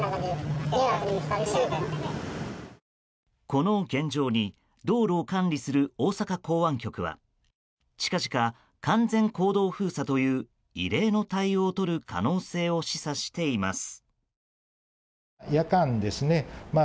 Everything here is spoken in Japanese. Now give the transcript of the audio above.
この現状に道路を管理する大阪港湾局は近々、完全公道封鎖という異例の対応をとる可能性を示唆しています。